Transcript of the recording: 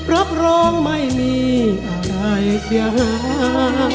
รับรองไม่มีอะไรเช้า